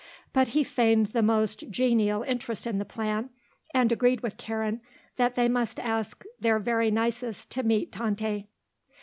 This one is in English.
But he feigned the most genial interest in the plan and agreed with Karen that they must ask their very nicest to meet Tante.